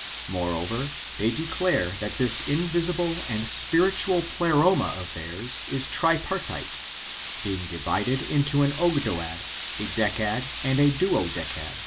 Moreover, they declare that this invisible and spiritual Pleroma of theirs is tripartite, being divided into an Ogdoad, a Decad, and a Duodecad.